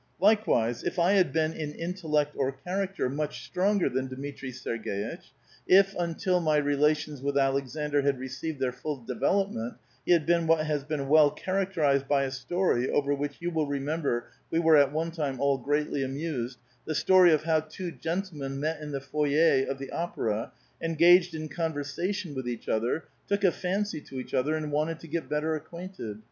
A VITAL QUESTION. 333 Likewise, if I had been in intellect or character much stronger than Dmitri Serg^itch ; if until my relations with Aleksandr had received their full development he had been what has been well characterized by a story over which you will remember we were at one time all greatly amused — the story of how two gentlemen met in the foyer of the opera, engaged in conversation with each other, took a fancy to each other, and wanted to get better acquainted.